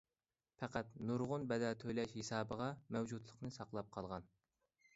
پەقەت نۇرغۇن بەدەل تۆلەش ھېسابىغا مەۋجۇتلۇقىنى ساقلاپ قالغان.